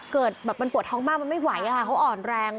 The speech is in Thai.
เกิดแบบมันปวดท้องมากมันไม่ไหวอะค่ะเขาอ่อนแรง